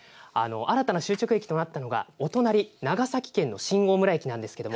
新たな終着駅となったのがお隣、長崎県の新大村駅ですが